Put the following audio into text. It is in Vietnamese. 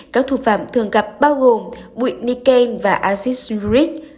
các thủ phạm thường gặp bao gồm bụi niken và asisuric